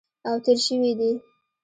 او تېر شوي دي